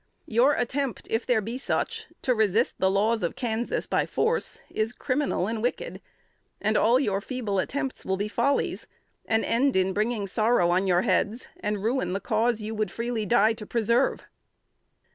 Your attempt, if there be such, to resist the laws of Kansas by force, is criminal and wicked; and all your feeble attempts will be follies, and end in bringing sorrow on your heads, and ruin the cause you would freely die to preserve!'